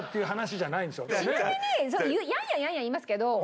ちなみにやんややんや言いますけど。